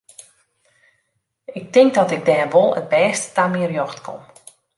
Ik tink dat ik dêr wol it bêste ta myn rjocht kom.